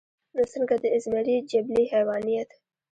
نو څنګه د ازمري جبلي حېوانيت